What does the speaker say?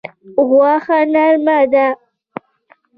غوښه نرمه ده.